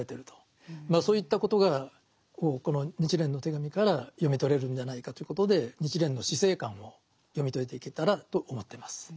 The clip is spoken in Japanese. そういったことがこの「日蓮の手紙」から読み取れるんじゃないかということで日蓮の死生観を読み解いていけたらと思ってます。